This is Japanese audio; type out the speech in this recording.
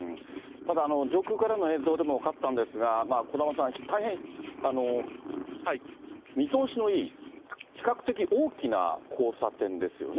ただ、上空からの映像でも分かったんですが、小玉さん、大変見通しのいい、比較的大きな交差点ですよね。